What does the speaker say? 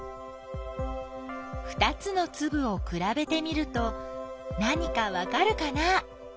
ふたつのつぶをくらべてみると何かわかるかな？